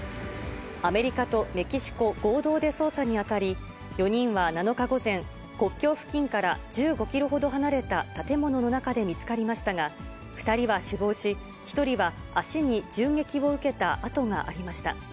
アメリカとメキシコ合同で捜査に当たり、４人は７日午前、国境付近から１５キロほど離れた建物の中で見つかりましたが、２人は死亡し、１人は足に銃撃を受けた痕がありました。